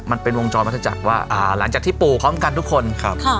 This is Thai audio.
มันเป็นวงจรวัฒจักรว่าหลังจากที่ปู่พร้อมกันทุกคนครับ